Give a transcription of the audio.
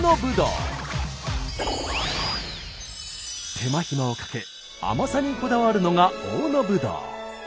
手間暇をかけ甘さにこだわるのが大野ぶどう。